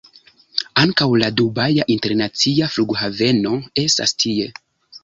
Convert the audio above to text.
Ankaŭ la Dubaja Internacia Flughaveno estas tie.